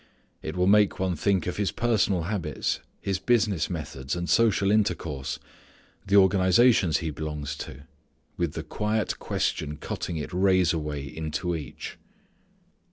It will make one think of his personal habits, his business methods, and social intercourse, the organizations he belongs to, with the quiet question cutting it razor way into each.